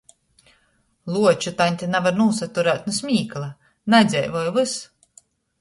Luoču taņte navar nūsaturēt nu smīkla: Nadzeivoj vys!